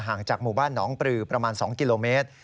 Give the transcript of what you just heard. จากหมู่บ้านหนองปลือประมาณ๒กิโลเมตร